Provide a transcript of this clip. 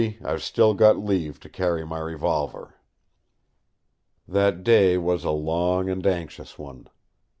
See! I've still got leave to carry my revolver." That day was a long and anxious one.